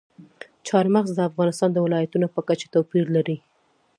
چار مغز د افغانستان د ولایاتو په کچه توپیر لري.